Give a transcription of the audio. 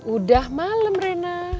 udah malem rena